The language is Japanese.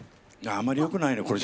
あまりよくないね